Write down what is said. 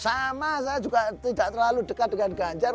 sama saya juga tidak terlalu dekat dengan ganjar